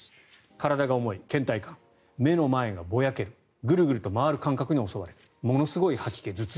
体が重い、けん怠感目の前がぼやけるぐるぐると回る感覚に襲われるものすごい吐き気、頭痛。